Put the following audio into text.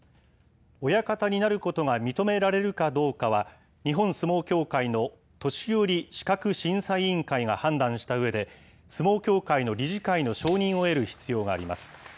親方になることが認められるかどうかは、日本相撲協会の年寄資格審査委員会が判断したうえで、相撲協会の理事会の承認を得る必要があります。